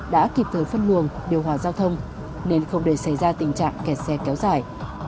đã kịp thời phân luồng điều hòa giao thông nên không để xảy ra tình trạng kẹt xe kéo dài